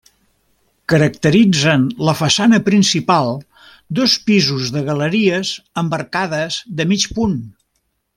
Caracteritzen la façana principal dos pisos de galeries amb arcades de mig punt.